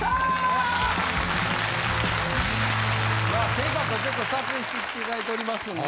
生活をちょっと撮影してきていただいておりますんで。